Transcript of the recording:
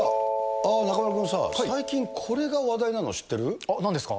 ああ、中丸君さ、最近、これが話題なの知ってる？なんですか？